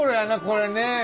これね。